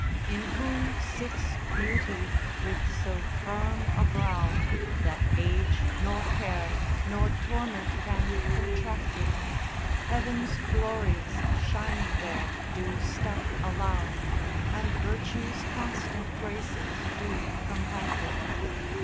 In whom sits beauty with so firm a brow, That age, nor care, nor torment can contract it ; Heaven's glories shining there, do stuff allow, And virtue's constant graces do compact it.